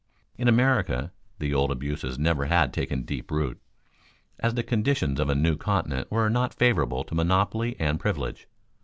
In America the old abuses never had taken deep root, as the conditions of a new continent were not favorable to monopoly and privilege.